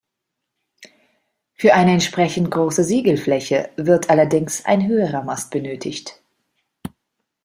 Für eine entsprechend große Segelfläche wird allerdings ein höherer Mast benötigt.